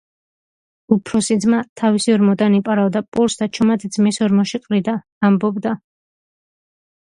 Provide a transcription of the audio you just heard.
უფროსი ძმა თავისი ორმოდან იპარავდა პურს და ჩუმად ძმის ორმოში ყრიდა. ამბობდა: